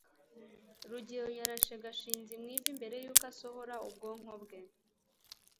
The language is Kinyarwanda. rugeyo yarashe gashinzi mu ivi mbere yuko asohora ubwonko bwe